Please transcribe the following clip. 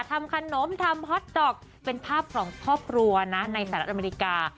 ทำขนมทำฮอทโลกเป็นภาพของพ่อครัวในสถานทางอเมริกา